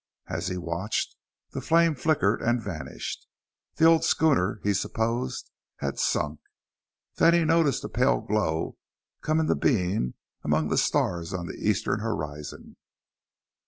As he watched, the flame flickered and vanished: the old schooner, he supposed, had sunk. Then he noticed a pale glow come into being among the stars on the eastern horizon.